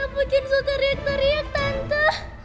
tante kenapa kenzo teriak teriak tante